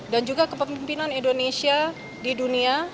dan juga kepemimpinan indonesia di dunia